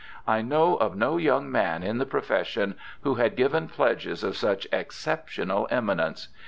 I know of no young man in the profession who had given pledges of such exceptional eminence.